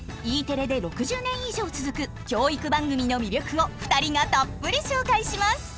Ｅテレで６０年以上続く教育番組の魅力を２人がたっぷり紹介します！